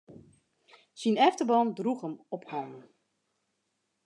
Syn efterban droech him op hannen.